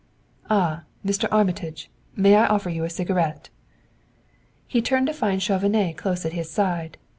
"Ah, Mr. Armitage, may I offer you a cigarette?" He turned to find Chauvenet close at his side.